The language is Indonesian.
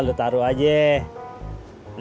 udah lo taruh aja